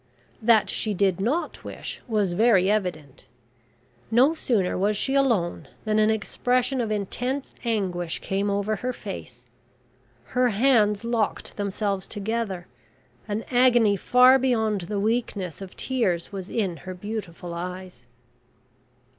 That she did not wish was very evident. No sooner was she alone than an expression of intense anguish came over her face. Her hands locked themselves together, an agony far beyond the weakness of tears was in her beautiful eyes.